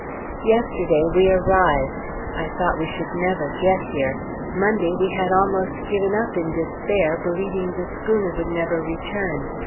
Yesterday we arrived; I thought we should never get here. Monday we had almost given up in despair, believing the schooner would never return.